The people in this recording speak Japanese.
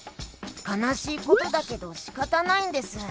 かなしいことだけどしかたないんです。